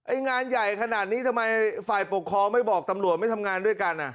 งานใหญ่ขนาดนี้ทำไมฝ่ายปกครองไม่บอกตำรวจไม่ทำงานด้วยกันอ่ะ